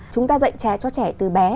chúng ta dạy trẻ cho trẻ từ bé